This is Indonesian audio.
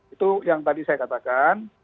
itu yang tadi saya katakan